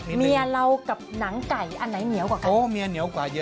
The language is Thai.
เมียเรากับหนังไก่อันไหนเหนียวกว่าไก่